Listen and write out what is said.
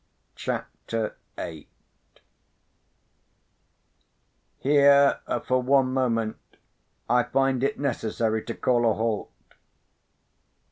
CHAPTER VIII Here, for one moment, I find it necessary to call a halt.